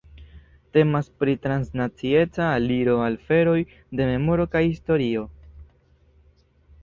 Temas pri transnacieca aliro al aferoj de memoro kaj historio.